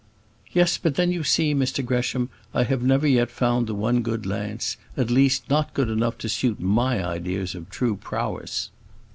"Yes; but then you see, Mr Gresham, I have never yet found the one good lance at least, not good enough to suit my ideas of true prowess."